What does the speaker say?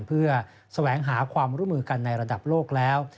เพื่อแสวงหาความร่วมมือกันในระดับโลกแล้ว